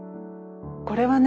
これはね